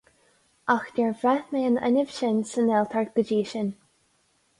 Ach níor bhraith mé an fhuinneamh sin sa nGaeltacht go dtí sin.